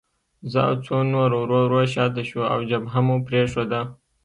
زه او څو نور ورو ورو شاته شوو او جبهه مو پرېښوده